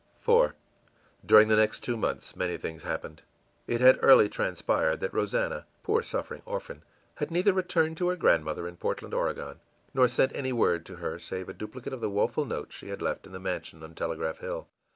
IV During the next two months many things happened. It had early transpired that Rosannah, poor suffering orphan, had neither returned to her grandmother in Portland, Oregon, nor sent any word to her save a duplicate of the woeful note she had left in the mansion on Telegraph Hill.